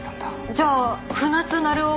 じゃあ船津成男が。